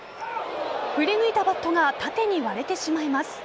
振り抜いたバットが縦に割れてしまいます。